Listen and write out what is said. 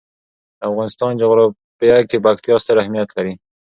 د افغانستان جغرافیه کې پکتیا ستر اهمیت لري.